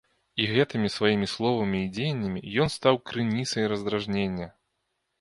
І гэтымі сваімі словамі і дзеяннямі ён стаў крыніцай раздражнення.